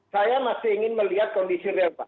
saya masih ingin melihat kondisi realnya